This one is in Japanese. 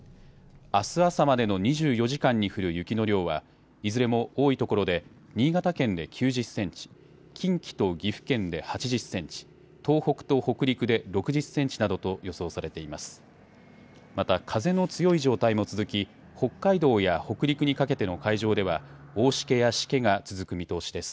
あす朝までの２４時間に降る雪の量はいずれも多い所で新潟県で９０センチ、近畿と岐阜県で８０センチ、東北と北陸で６０センチなどと予想されています。